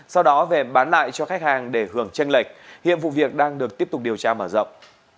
sau đó về bán lại cho khách hàng để hưởng tranh lệch hiện vụ việc đang được tiếp tục điều tra mở rộng